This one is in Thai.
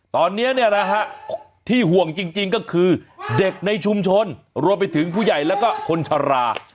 ตอนนี้ที่ห่วงจริงก็คือเด็กในชุมชนรวมไปถึงผู้ใหญ่แล้วก็คนชะลา